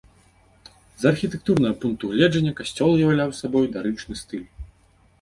З архітэктурнага пункту гледжання касцёл уяўляў сабой дарычны стыль.